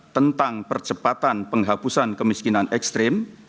tentang percepatan penghapusan kemiskinan ekstrim